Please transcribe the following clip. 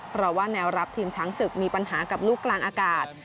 เพราะว่าแนวรับทีมช้างศึกมีปัญหากับลูกกลางอากาศ